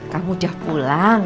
kamu udah pulang